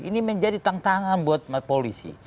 ini menjadi tantangan buat polisi